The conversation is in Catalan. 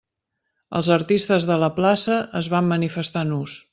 Els artistes de la plaça es van manifestar nus.